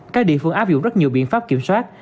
các địa phương áp dụng rất nhiều biện pháp kiểm soát